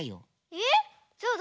えっ？